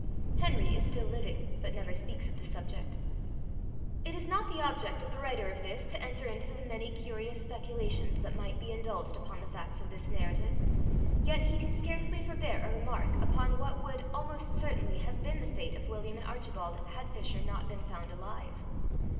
Henry is still living, but never speaks of the subject.It is not the object of the writer of this to enter into the many curious speculations that might be indulged upon the facts of this narrative; yet he can scarcely forbear a remark upon what would, almost certainly, have been the fate of William and Archibald, had Fisher not been found alive.